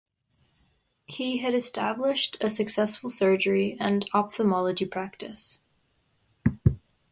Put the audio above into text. He had established a successful surgery and ophthalmology practice.